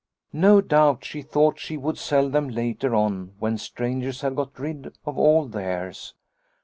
No doubt she thought she would sell them later on when the strangers had got rid of all theirs.